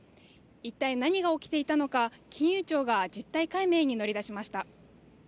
一体何が起きていたのか金融庁が実態解明に乗り出しました。